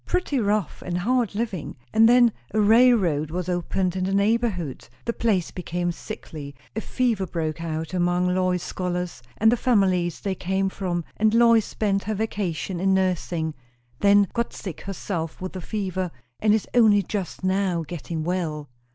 Pretty rough; and hard living. And then a railroad was opened in the neighbourhood the place became sickly a fever broke out among Lois's scholars and the families they came from; and Lois spent her vacation in nursing. Then got sick herself with the fever, and is only just now getting well."